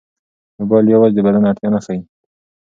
میل یوازې د بدن اړتیا نه ښيي.